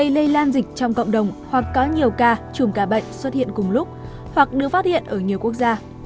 lây lan dịch trong cộng đồng hoặc có nhiều ca xuất hiện cùng lúc hoặc được phát hiện ở nhiều quốc gia